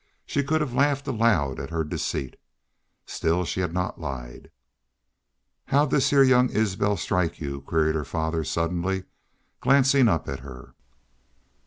She could have laughed aloud at her deceit. Still she had not lied. "How'd this heah young Isbel strike you?" queried her father, suddenly glancing up at her.